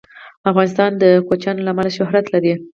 افغانستان د کوچیان له امله شهرت لري.